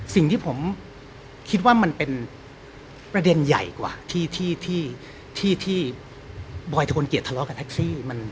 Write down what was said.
สิ่งที่ผมคิดว่ามันเป็นประเด็นใหญ่กว่าที่บอยทวนเกียจทะเลาะกับแท็กซี่